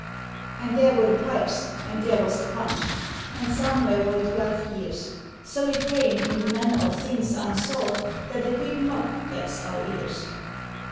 And there were the pipes, and there was the punchy And somewhere were twelve years ; So it came, in the manner of things unsought. That a quick knock vexed our ears.